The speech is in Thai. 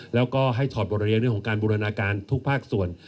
แล้วก็ให้ถอดบทเรียนเรื่องของการบูรณาการทุกภาคส่วน